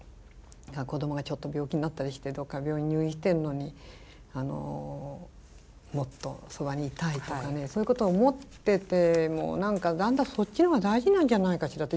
子どもがちょっと病気になったりしてどっか病院入院してるのにもっとそばにいたいとかねそういうことを思ってて何かだんだんそっちのほうが大事なんじゃないかしらって